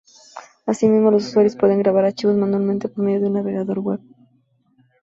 Asimismo, los usuarios pueden grabar archivos manualmente por medio de un navegador web.